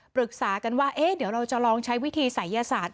ปรึกษากันว่าเดี๋ยวเราจะลองใช้วิธีศัยศาสตร์